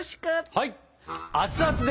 はい！